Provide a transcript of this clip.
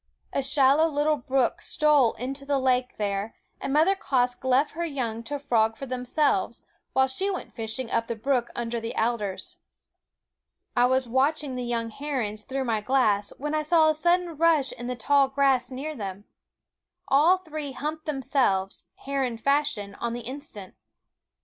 A shallow little brook stole into the lake there, and Mother Quoskh left her young to frog for themselves, while she went fishing up the brook under the alders. I was watching the young herons through my glass when I saw a sudden rush in the tall grass near them. All three humped themselves, heron fashion, on the instant.